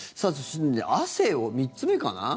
汗を３つ目かな？